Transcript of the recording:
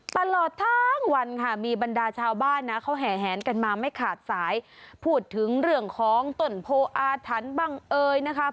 ตลอดทั้งวันค่ะมีบรรดาชาวบ้านนะเขาแห่แหนกันมาไม่ขาดสายพูดถึงเรื่องของต้นโพออาถรรพ์บ้างเอ่ยนะคะ